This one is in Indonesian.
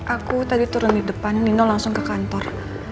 aku tadi turun di depan nino langsung ke kantor